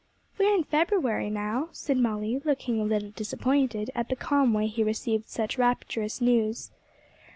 'We are in February now,' said Molly, looking a little disappointed at the calm way he received such rapturous news.